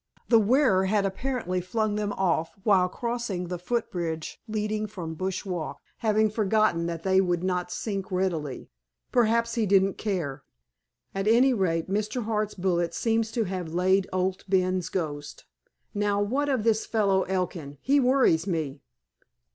The wearer had apparently flung them off while crossing the foot bridge leading from Bush Walk, having forgotten that they would not sink readily. Perhaps he didn't care. At any rate, Mr. Hart's bullet seems to have laid Owd Ben's ghost. Now, what of this fellow, Elkin? He worries me."